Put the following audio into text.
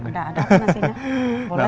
tidak ada apa apa nasinya